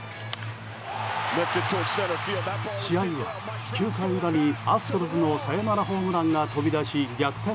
試合は９回裏に、アストロズのサヨナラホームランが飛び出し逆転